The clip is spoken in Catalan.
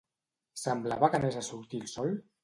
Semblava que anés a sortir el sol?